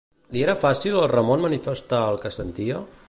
Li era fàcil al Ramon manifestar el que sentia?